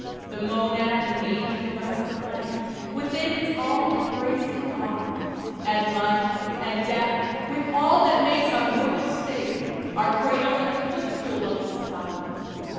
The monad and the angel rest alike Within its all embracing arms; and life, And death, with all that makes our mortal state, Are cradled at the footstool of this power.